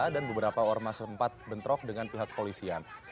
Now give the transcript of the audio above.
dan beberapa orma sempat bentrok dengan pihak polisian